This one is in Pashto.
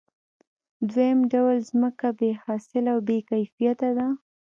دویم ډول ځمکه بې حاصله او بې کیفیته ده